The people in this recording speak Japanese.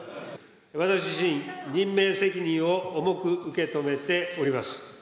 私自身、任命責任を重く受け止めております。